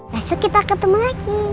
besok kita ketemu lagi